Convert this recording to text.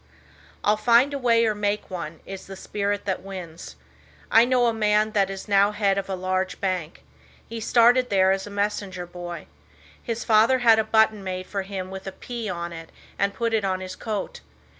"I'll find a way or make one!" is the spirit that wins. I know a man that is now head of a large bank. He started there as a messenger boy. His father had a button made for him with a "P" on it and put it on his coat.